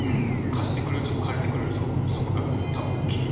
貸してくれる人と借りてくれる人の利息が金利。